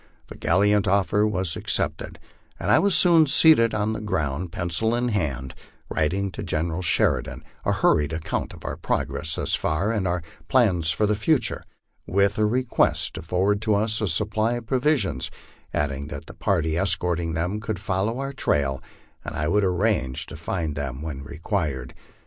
The gallant offer was accepted, and I was soon seated on the ground, pencil in hand, writing to General Sheridan a hurried account of our progress thus for and our plans for the future, with a request to forward to us a supply of provisions ; adding that the party escorting them could follow on our trail, and I would arrange to find them when required.